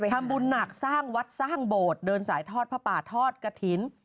ทำบุญหนักสร้างวัดสร้างโบสถ์เดินสายทอดผ้าป่าทอดกระถิ่น